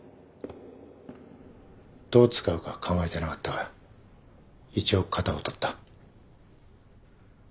どう使うかは考えてなかったが一応型をとった。